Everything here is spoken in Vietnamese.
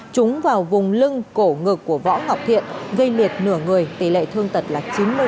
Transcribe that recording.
chúng vào vùng lưng cổ ngực của võ ngọc thiện gây liệt nửa người tỷ lệ thương tật là chín mươi